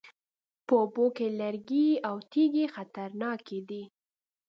په اوبو کې لرګي او تیږې خطرناکې دي